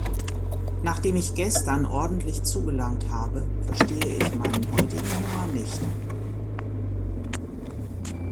Nachdem ich gestern ordentlich zugelangt habe, verstehe ich meinen heutigen Hunger nicht.